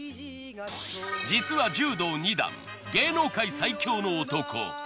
実は柔道二段芸能界最強の男。